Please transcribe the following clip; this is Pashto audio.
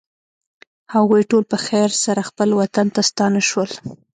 هغوی ټول په خیر سره خپل وطن ته ستانه شول.